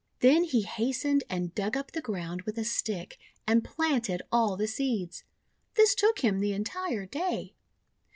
'1 Then he hastened and dug up the ground with a stick, and planted all the seeds. This took him the entire day.